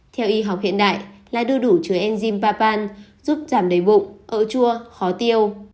theo y học hiện đại lá đu đủ chứa enzim bapan giúp giảm đầy bụng ợ chua khó tiêu